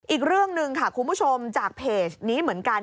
อีกเรื่องหนึ่งค่ะคุณผู้ชมจากเพจนี้เหมือนกัน